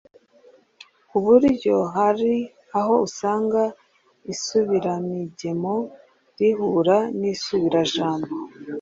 ku buryo hari aho usanga isubiramigemo rihuran'isubirajambo